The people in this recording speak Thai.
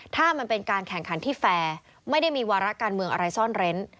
ถ้ามันเป็นการแข่งขันที่แฟร์ไม่ได้มีวาระการเมืองอะไรซ่อนเร้น